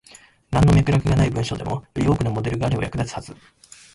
なんの脈絡がない文章でも、より多くのモデルがあれば役立つはず。